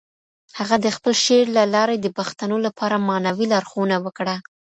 هغه د خپل شعر له لارې د پښتنو لپاره معنوي لارښوونه وکړه.